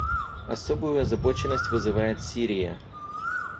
Особую озабоченность вызывает Сирия.